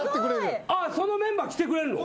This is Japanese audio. そのメンバー来てくれるの？